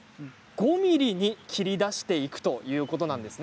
５ｍｍに切り出していくということなんです。